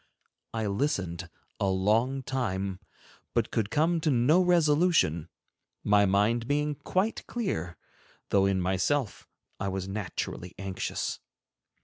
I listened a long time, but could come to no resolution, my mind being quite clear, though in myself I was naturally anxious.